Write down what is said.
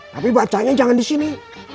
tapi bacanya jangan disini